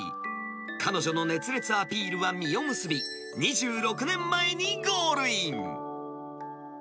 彼女の熱烈アピールは実を結び、２６年前にゴールイン。